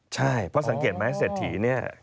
ใช่เพราะสังเกตไหมเศรษฐีเนี่ย